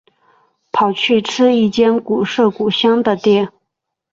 跑去吃一间古色古香的店